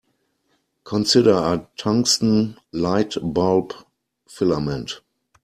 Consider a tungsten light-bulb filament.